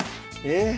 え？